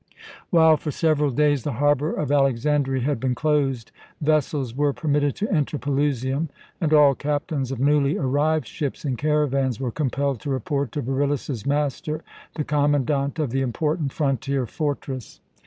While for several days the harbour of Alexandria had been closed, vessels were permitted to enter Pelusium, and all captains of newly arrived ships and caravans were compelled to report to Beryllus's master, the commandant of the important frontier fortress.